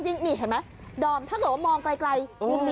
ใช่แล้วก็เงียบ